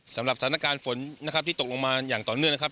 สำหรับสถานการณ์ฝนนะครับที่ตกลงมาอย่างต่อเนื่องนะครับ